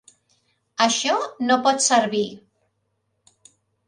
Això no pot servir.